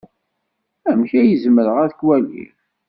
Amek ay zemreɣ ad k-waliɣ?